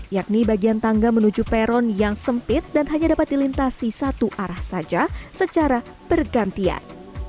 yakni bagian tangga menuju peron yang sempit dan hanya dapat dilintasi satu arah saja secara bergantian